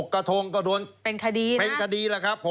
๖กระทงก็โดนเป็นคดี